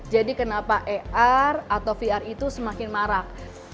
jadi kenapa ar atau vr itu semakin marah